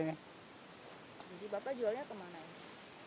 jadi bapak jualnya kemana